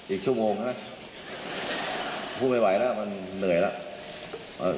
อีกชั่วโมงใช่ไหมพูดไม่ไหวแล้วมันเหนื่อยแล้ว